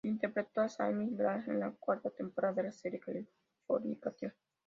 Interpretó a Sasha Bingham en la cuarta temporada de la serie "Californication".